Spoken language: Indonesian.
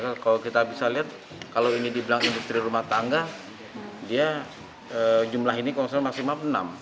kalau kita bisa lihat kalau ini dibilang industri rumah tangga dia jumlah ini konsol maksimal enam